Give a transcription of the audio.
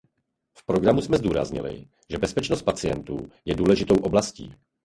V programu jsme zdůraznili, že bezpečnost pacientů je důležitou oblastí.